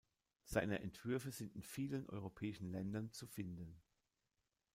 Seine Entwürfe sind in vielen europäischen Ländern zu finden.